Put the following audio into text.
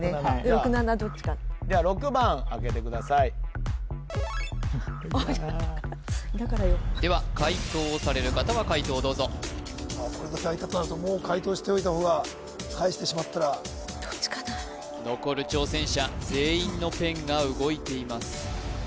６７どっちかじゃ６番開けてくださいだからよでは解答をされる方は解答をどうぞこれでもう解答しておいた方が返してしまったらどっちかな残る挑戦者全員のペンが動いています